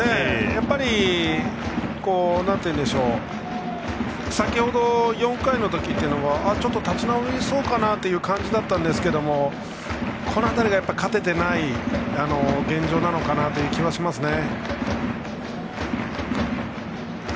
やっぱり先ほどの４回にはちょっと立ち直りそうかなという感じだったんですけどこの辺りが勝てていない現状なのかなという気もしますね。